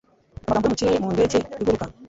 amagambo yo mu kirere mu ndege iguruka